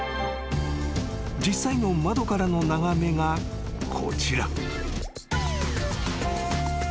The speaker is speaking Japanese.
［実際の窓からの眺めがこちら］